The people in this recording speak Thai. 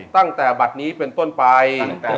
ตั้งแต่บัตรนี้เป็นต้นไป